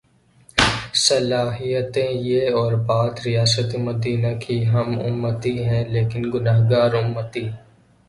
صلاحیتیں یہ اور بات ریاست مدینہ کی ہم امتی ہیں لیکن گناہگار امتی۔